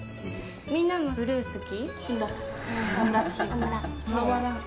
みんなもブルー好き？